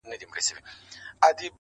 • خدای د عقل په تحفه دی نازولی -